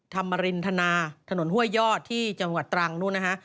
ธรรมรินทนาถนนห้วยยอดที่จังหวัดตรังนู้นนะฮะ